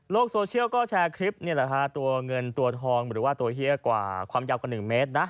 โซเชียลก็แชร์คลิปนี่แหละฮะตัวเงินตัวทองหรือว่าตัวเฮียกว่าความยาวกว่า๑เมตรนะ